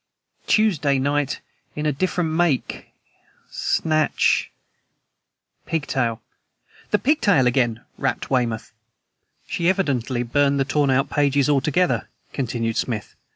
. Tuesday night in a different make ... snatch ... pigtail ...'" "The pigtail again!" rapped Weymouth. "She evidently burned the torn out pages all together," continued Smith.